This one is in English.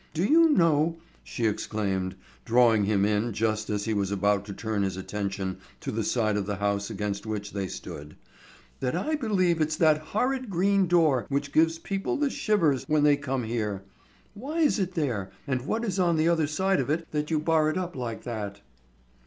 Do you know," she exclaimed, drawing him in just as he was about to turn his attention to the side of the house against which they stood, "that I believe it's that horrid green door which gives people the shivers when they come here. Why is it there and what is on the other side of it that you bar it up like that?"